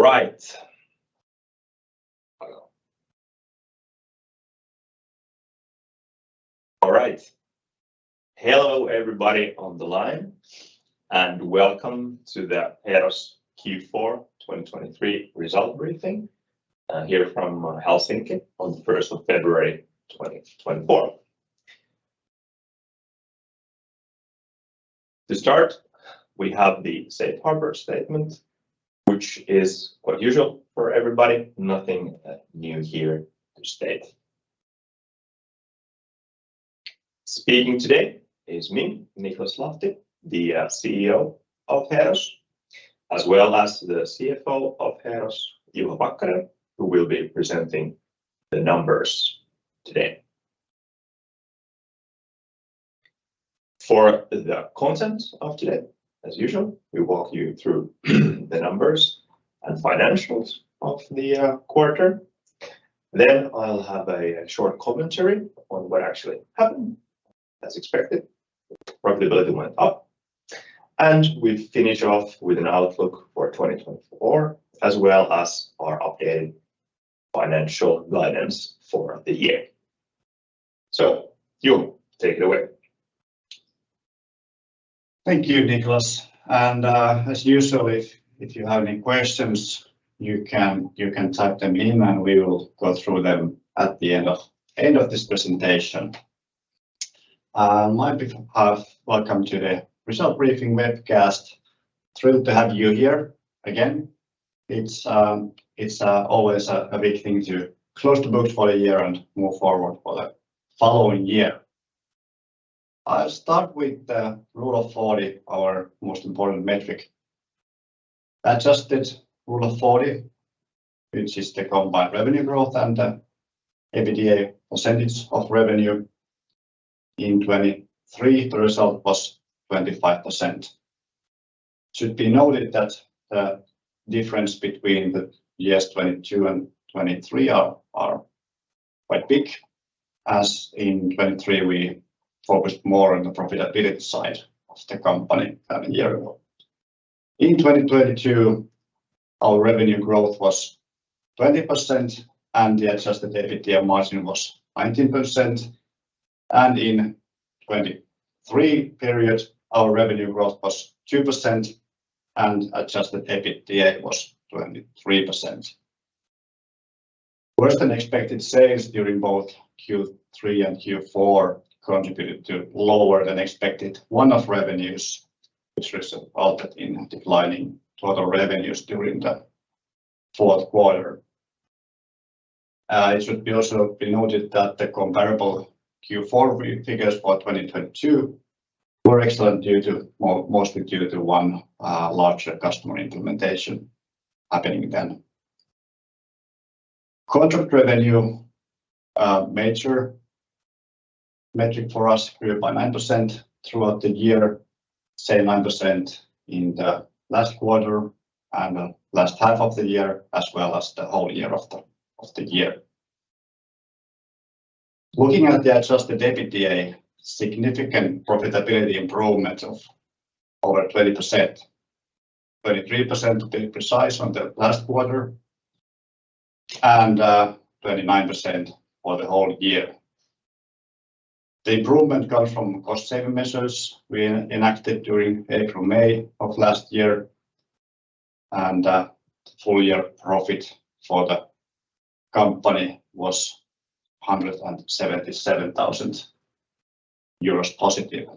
All right. All right. Hello, everybody on the line, and welcome to the Heeros Q4 2023 Results Briefing here from Helsinki on the 1st of February, 2024. To start, we have the safe harbor statement, which is quite usual for everybody. Nothing new here to state. Speaking today is me, Niklas Lahti, the CEO of Heeros, as well as the CFO of Heeros, Juho Pakkanen, who will be presenting the numbers today. For the content of today, as usual, we walk you through the numbers and financials of the quarter. Then I'll have a short commentary on what actually happened. As expected, profitability went up, and we finish off with an outlook for 2024, as well as our updated financial guidance for the year. So Juho, take it away. Thank you, Niklas. As usual, if you have any questions, you can type them in, and we will go through them at the end of this presentation. On my behalf, welcome to the Result Briefing Webcast. Thrilled to have you here again. It's always a big thing to close the books for the year and move forward for the following year. I'll start with the Rule of 40, our most important metric. Adjusted Rule of 40, which is the combined revenue growth and the EBITDA percentage of revenue. In 2023, the result was 25%. It should be noted that the difference between the years 2022 and 2023 is quite big, as in 2023, we focused more on the profitability side of the company than a year ago. In 2022, our revenue growth was 20%, and the adjusted EBITDA margin was 19%, and in 2023 period, our revenue growth was 2%, and adjusted EBITDA was 23%. Worse than expected sales during both Q3 and Q4 contributed to lower than expected one-off revenues, which resulted in declining total revenues during the fourth quarter. It should also be noted that the comparable Q4 figures for 2022 were excellent due to mostly due to one larger customer implementation happening then. Contract revenue, major metric for us grew by 9% throughout the year, say, 9% in the last quarter and the last half of the year, as well as the whole year of the year. Looking at the adjusted EBITDA, significant profitability improvement of over 20%, 23% to be precise on the last quarter, and 29% for the whole year. The improvement comes from cost-saving measures we enacted during April, May of last year, and full year profit for the company was EUR 177,000 positive.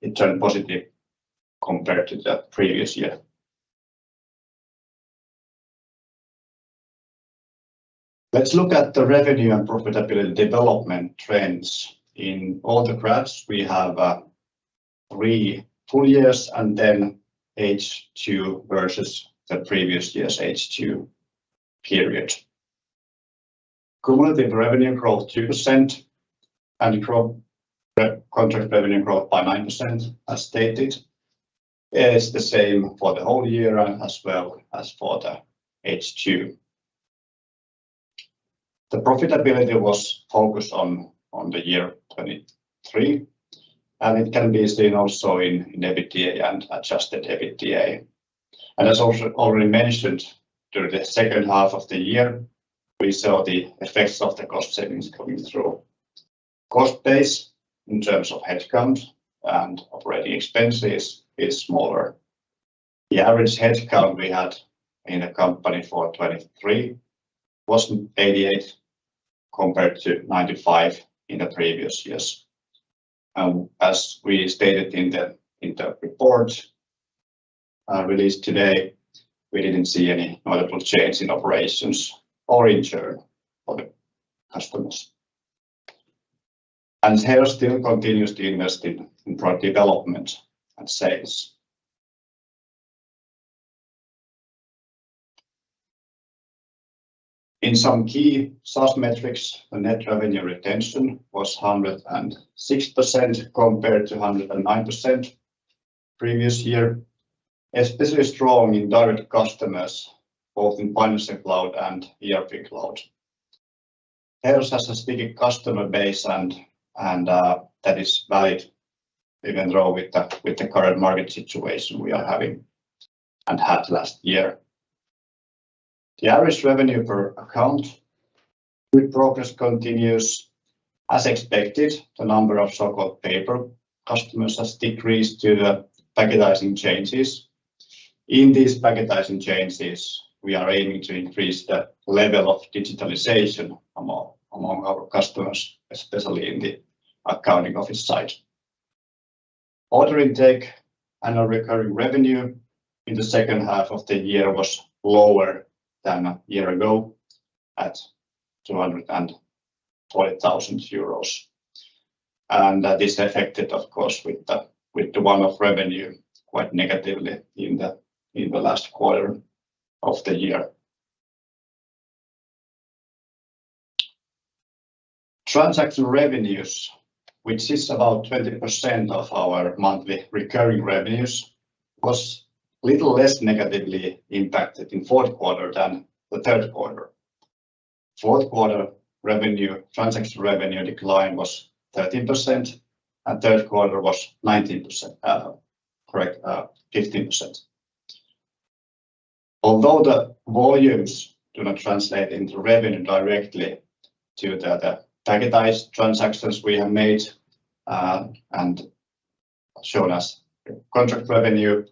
It turned positive compared to the previous year. Let's look at the revenue and profitability development trends. In all the graphs, we have three full years, and then H2 versus the previous year's H2 period. Cumulative revenue growth, 2%, and contract revenue growth by 9%, as stated, is the same for the whole year as well as for the H2. The profitability was focused on the year 2023, and it can be seen also in EBITDA and adjusted EBITDA. And as also already mentioned, during the second half of the year, we saw the effects of the cost savings coming through. Cost base, in terms of headcount and operating expenses, is smaller. The average headcount we had in the company for 2023 was 88, compared to 95 in the previous years. And as we stated in the report released today, we didn't see any notable change in operations or in turn for the customers. And Heeros still continues to invest in product development and sales. In some key SaaS metrics, the net revenue retention was 106%, compared to 109% previous year. Especially strong in direct customers, both in financial cloud and ERP cloud... There's a steady customer base and that is valid even though with the current market situation we are having and had last year. The average revenue per account with progress continues as expected. The number of so-called paper customers has decreased due to the packetizing changes. In these packetizing changes, we are aiming to increase the level of digitalization among our customers, especially in the accounting office side. Order intake and our recurring revenue in the second half of the year was lower than a year ago at 220,000 euros. And this affected, of course, with the, with the one-off revenue quite negatively in the, in the last quarter of the year. Transaction revenues, which is about 20% of our monthly recurring revenues, was little less negatively impacted in fourth quarter than the third quarter. Fourth quarter revenue, transaction revenue decline was 13%, and third quarter was 19%, correct, 15%. Although the volumes do not translate into revenue directly to the packetized transactions we have made, and shown as contract revenue,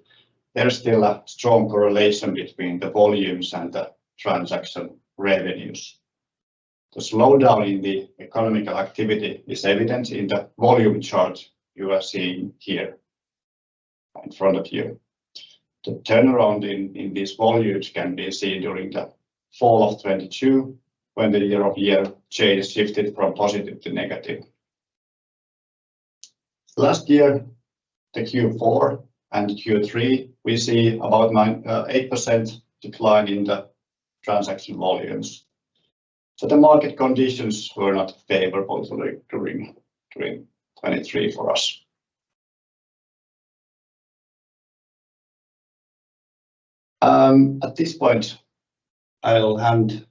there is still a strong correlation between the volumes and the transaction revenues. The slowdown in the economic activity is evident in the volume chart you are seeing here in front of you. The turnaround in these volumes can be seen during the fall of 2022, when the year-over-year change shifted from positive to negative. Last year, the Q4 and Q3, we see about 8% decline in the transaction volumes. So the market conditions were not favorable during 2023 for us. At this point, I'll hand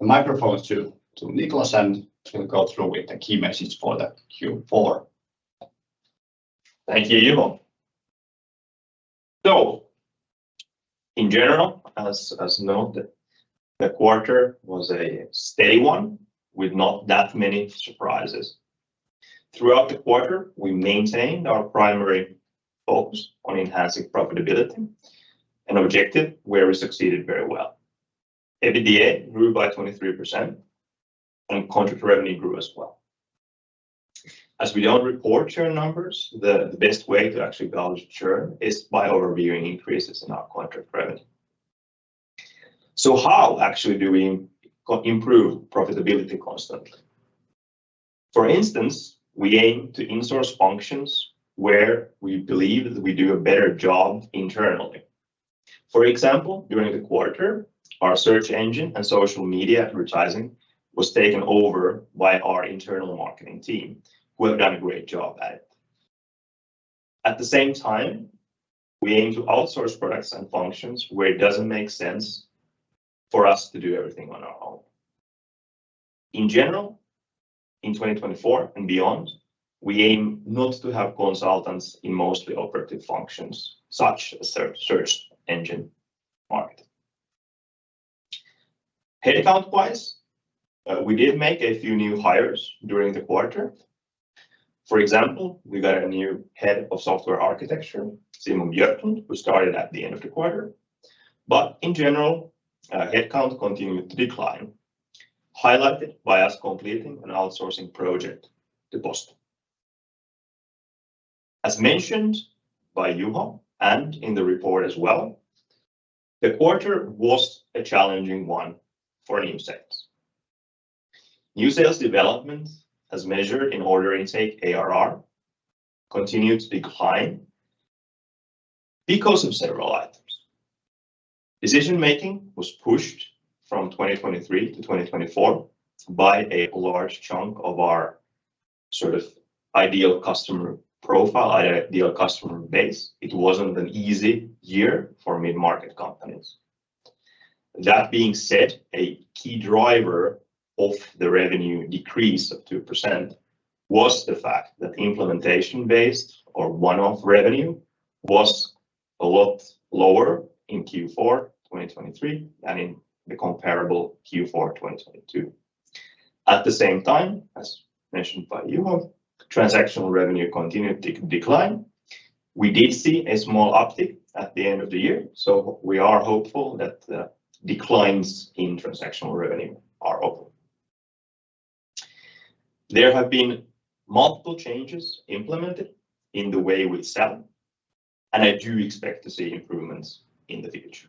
the microphone to Niklas, and he'll go through with the key message for the Q4. Thank you, Juho. In general, as noted, the quarter was a steady one with not that many surprises. Throughout the quarter, we maintained our primary focus on enhancing profitability, an objective where we succeeded very well. EBITDA grew by 23%, and contract revenue grew as well. As we don't report churn numbers, the best way to actually balance churn is by overviewing increases in our contract revenue. How actually do we improve profitability constantly? For instance, we aim to insource functions where we believe that we do a better job internally. For example, during the quarter, our search engine and social media advertising was taken over by our internal marketing team, who have done a great job at it. At the same time, we aim to outsource products and functions where it doesn't make sense for us to do everything on our own. In general, in 2024 and beyond, we aim not to have consultants in mostly operative functions, such as search, search engine marketing. Headcount-wise, we did make a few new hires during the quarter. For example, we got a new head of software architecture, Simon Björklund, who started at the end of the quarter. But in general, headcount continued to decline, highlighted by us completing an outsourcing project to Posti. As mentioned by Juho, and in the report as well, the quarter was a challenging one for new sales. New sales development, as measured in order intake, ARR, continued to decline because of several items. Decision-making was pushed from 2023 to 2024 by a large chunk of our sort of ideal customer profile, ideal customer base. It wasn't an easy year for mid-market companies. That being said, a key driver of the revenue decrease of 2% was the fact that the implementation-based or one-off revenue was a lot lower in Q4 2023 than in the comparable Q4 2022. At the same time, as mentioned by Juho, transactional revenue continued to decline. We did see a small uptick at the end of the year, so we are hopeful that the declines in transactional revenue are over. There have been multiple changes implemented in the way we sell, and I do expect to see improvements in the future.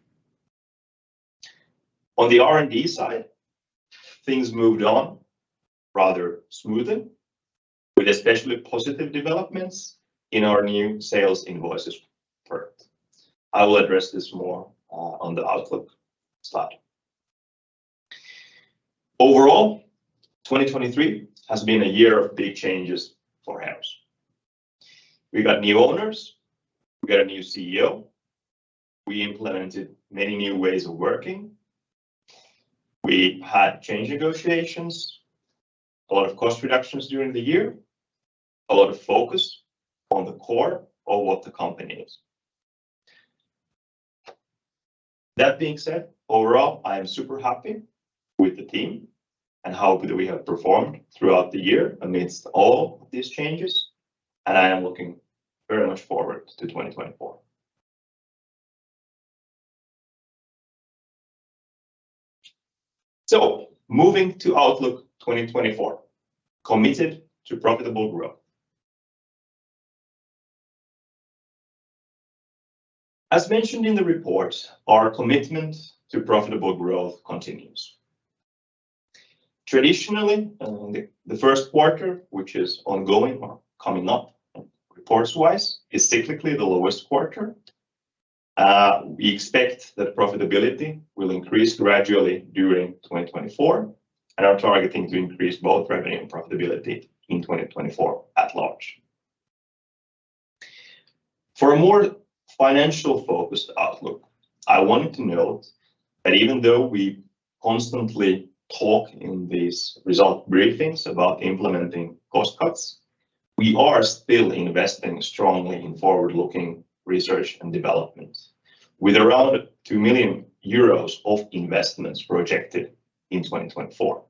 On the R&D side, things moved on rather smoothly, with especially positive developments in our new Sales Invoices product. I will address this more, on the outlook slide. Overall, 2023 has been a year of big changes for Heeros. We got new owners, we got a new CEO, we implemented many new ways of working. We had change negotiations, a lot of cost reductions during the year, a lot of focus on the core of what the company is. That being said, overall, I am super happy with the team and how we have performed throughout the year amidst all these changes, and I am looking very much forward to 2024. Moving to Outlook 2024, committed to profitable growth. As mentioned in the report, our commitment to profitable growth continues. Traditionally, the first quarter, which is ongoing or coming up reports-wise, is typically the lowest quarter. We expect that profitability will increase gradually during 2024, and are targeting to increase both revenue and profitability in 2024 at large. For a more financial-focused outlook, I wanted to note that even though we constantly talk in these result briefings about implementing cost cuts, we are still investing strongly in forward-looking research and development with around 2 million euros of investments projected in 2024.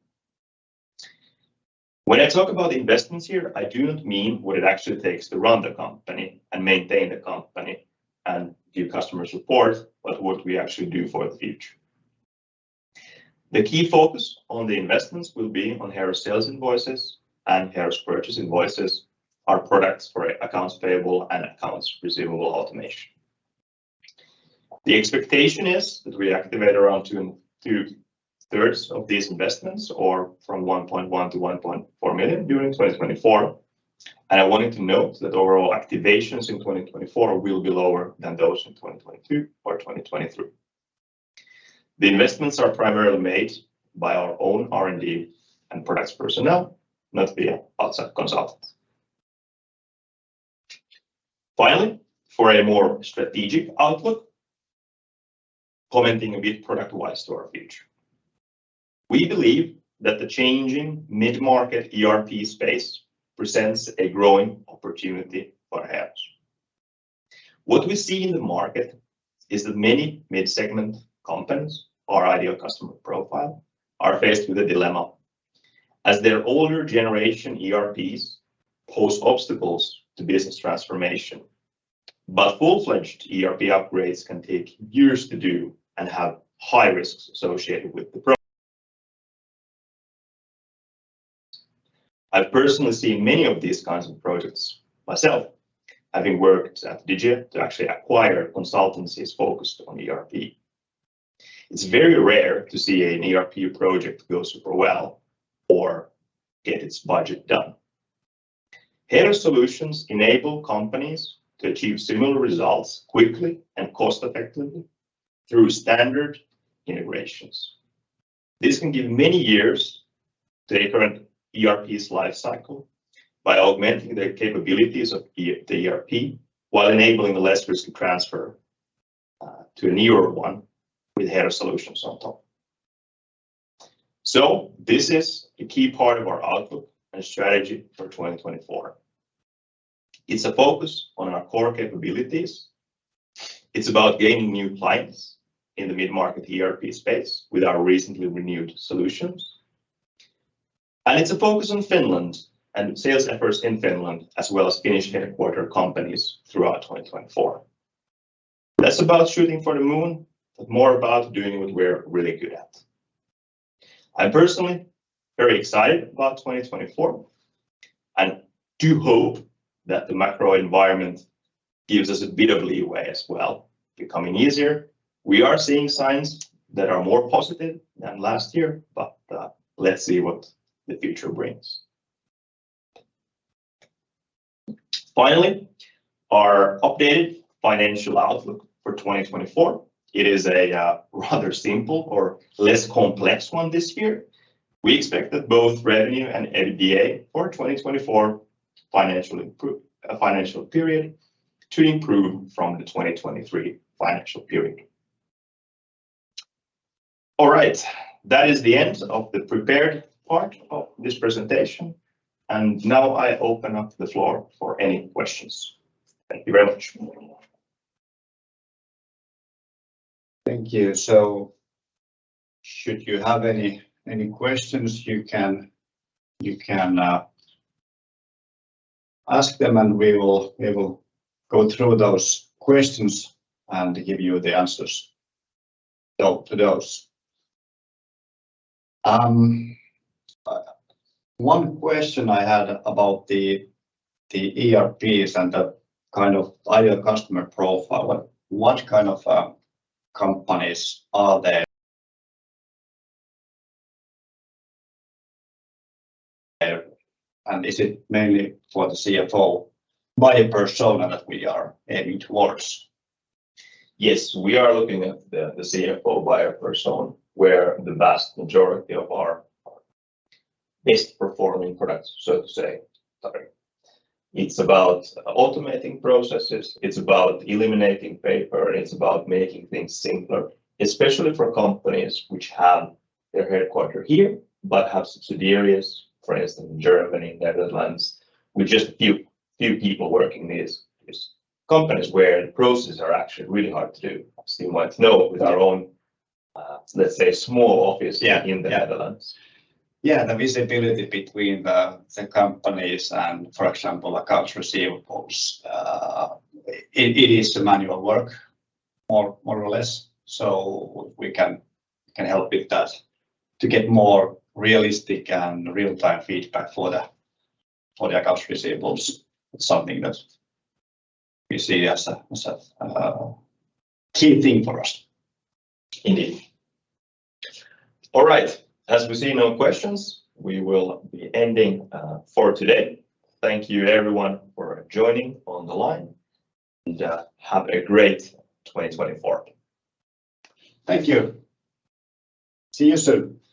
When I talk about investments here, I do not mean what it actually takes to run the company and maintain the company and give customer support, but what we actually do for the future. The key focus on the investments will be on Heeros Sales Invoices and Heeros Purchase Invoices, our products for accounts payable and accounts receivable automation. The expectation is that we activate around 2/3 of these investments, or from 1.1 million-1.4 million during 2024, and I wanted to note that overall activations in 2024 will be lower than those in 2022 or 2023. The investments are primarily made by our own R&D and products personnel, not via outside consultants. Finally, for a more strategic outlook, commenting a bit product-wise to our future. We believe that the changing mid-market ERP space presents a growing opportunity for Heeros. What we see in the market is that many mid-segment companies, our ideal customer profile, are faced with a dilemma, as their older generation ERPs pose obstacles to business transformation. But full-fledged ERP upgrades can take years to do and have high risks associated with the pro-. I've personally seen many of these kinds of projects myself, having worked at Digia to actually acquire consultancies focused on ERP. It's very rare to see an ERP project go super well or get its budget done. Heeros solutions enable companies to achieve similar results quickly and cost-effectively through standard integrations. This can give many years to the current ERP's life cycle by augmenting the capabilities of the ERP, while enabling a less risk to transfer to a newer one with Heeros solutions on top. So this is a key part of our outlook and strategy for 2024. It's a focus on our core capabilities, it's about gaining new clients in the mid-market ERP space with our recently renewed solutions, and it's a focus on Finland and sales efforts in Finland, as well as Finnish headquarter companies throughout 2024. That's about shooting for the moon, but more about doing what we're really good at. I'm personally very excited about 2024, and I do hope that the macro environment gives us a bit of leeway as well, becoming easier. We are seeing signs that are more positive than last year, but let's see what the future brings. Finally, our updated financial outlook for 2024. It is a rather simple or less complex one this year. We expect that both revenue and EBITDA for 2024 financial period to improve from the 2023 financial period. All right, that is the end of the prepared part of this presentation, and now I open up the floor for any questions. Thank you very much. Thank you. So should you have any questions, you can ask them, and we will go through those questions and give you the answers to those. One question I had about the ERPs and the kind of ideal customer profile, what kind of companies are there? And is it mainly for the CFO buyer persona that we are aiming towards? Yes, we are looking at the CFO buyer persona, where the vast majority of our best-performing products, so to say. It's about automating processes, it's about eliminating paper, it's about making things simpler, especially for companies which have their headquarters here, but have subsidiaries, for instance, in Germany, in Netherlands, with just a few people working these. It's companies where the processes are actually really hard to do. Absolutely. We might know with our own, let's say, small office- Yeah.... in the Netherlands. Yeah, the visibility between the companies and, for example, accounts receivables, it is a manual work, more or less. So we can help with that to get more realistic and real-time feedback for the accounts receivables, something that we see as a key thing for us. Indeed. All right, as we see no questions, we will be ending for today. Thank you everyone for joining on the line, and have a great 2024. Thank you. See you soon!